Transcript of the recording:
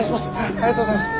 ありがとうございます。